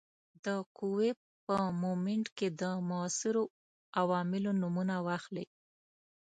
د قوې په مومنټ کې د موثرو عواملو نومونه واخلئ.